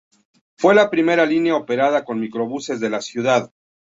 Fue la primera línea operada con microbuses de la ciudad.